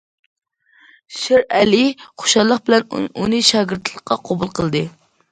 شىرئەلى خۇشاللىق بىلەن ئۇنى شاگىرتلىققا قوبۇل قىلدى.